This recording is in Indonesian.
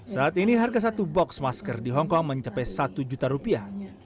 saat ini harga satu box masker di hongkong mencapai satu juta rupiah